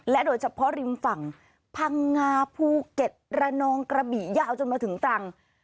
โดยเฉพาะริมฝั่งพังงาภูเก็ตระนองกระบิยาวจนมาถึงตรัง